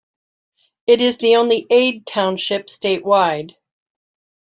It is the only Aid Township statewide.